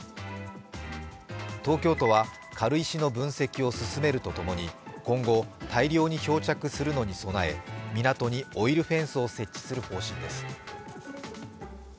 東京都は軽石の分析を進めるとともに今後、大量に漂着するのに備え港にオイルフェンスを設置する方針です。